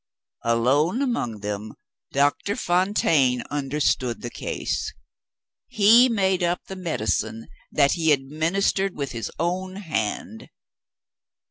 Alone among them Doctor Fontaine understood the case. He made up the medicine that he administered with his own hand.